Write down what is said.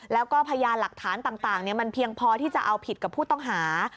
แล้วก็พยานหลักฐานต่างมันเพียงพอที่จะเอาผิดกับผู้ต้องหา